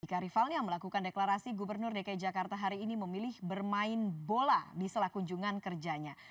jika rivalnya melakukan deklarasi gubernur dki jakarta hari ini memilih bermain bola di setelah kunjungan kerjanya